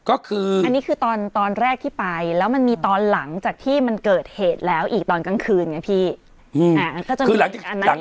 ก็คืออันนี้คือตอนตอนแรกที่ไปแล้วมันมีตอนหลังจากที่มันเกิดเหตุแล้วอีกตอนกลางคืนไงพี่